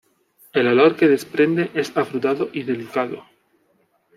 El olor que desprende es afrutado y delicado.